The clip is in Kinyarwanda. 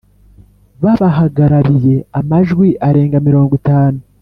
Babahagarariye amajwi arenga mirongo itanu